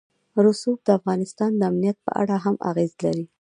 رسوب د افغانستان د امنیت په اړه هم اغېز لري.